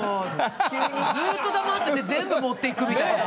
ずっと黙ってて全部持っていくみたいな。